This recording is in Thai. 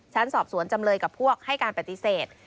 สอบสวนจำเลยกับพวกให้การปฏิเสธ